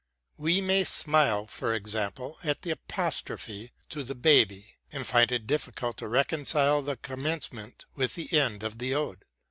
We may smile, for example, at the apostrophe to the baby, and find it difficult to reconcile the commencement with the end of the Ode.